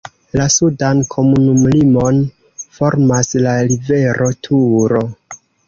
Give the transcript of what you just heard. La sudan komunumlimon formas la rivero Turo.